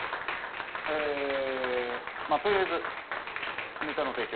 えぇまあとりあえずネタの提供